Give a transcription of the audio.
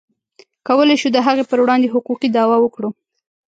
کولی شو د هغې پر وړاندې حقوقي دعوه وکړو.